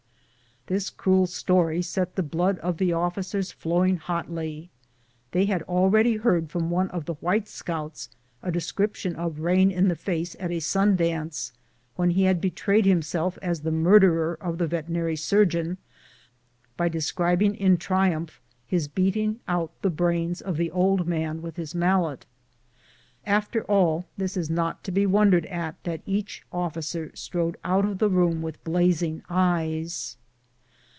This cruel story set the blood of the officers flow ing hotly. They had already heard from one of the white scouts a description of Rain in the face at a sun dance, when he had betrayed himself as the murderer of the veterinary surgeon, by describing in triumph his beating out the brains of the old man with his mallet. After all this, it is not to be wondered at that each officer strode out of the room with blazing eyes.